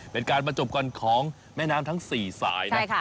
เป็นการประจบกันของแม่น้ำทั้งสี่สายใช่ค่ะ